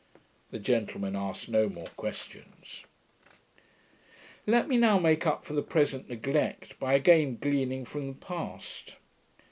The gentleman asked no more questions. Let me now make up for the present neglect, by again gleaning from the past.